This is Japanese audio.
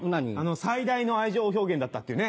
「最大の愛情表現だった」っていうね。